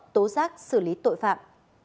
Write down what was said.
tố giác xử lý tội phạm